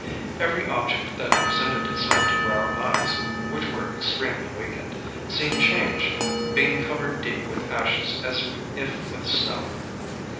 Every object that presented itself to our eyes (which were extremely weakened) seemed changed, being covered deep with ashes as if with snow.